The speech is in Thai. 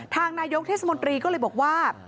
ทางนายกเทศมนตรีก็เลยบอกว่า